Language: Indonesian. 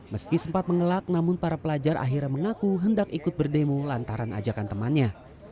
meski sempat mengelak namun para pelajar akhirnya mengaku hendak ikut berdemo lantaran ajakan temannya